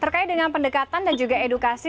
terkait dengan pendekatan dan juga edukasi